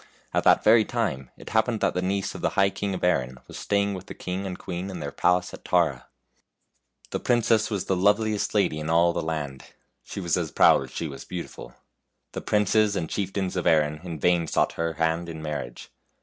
At that very time it happened that the niece of the High King of Erin was staying with the king and queen in their palace at Tara. The princess was the loveliest lady in all the land. She was as proud as she was beautiful. The princes and chieftains of Erin in vain sought her hand in marriage.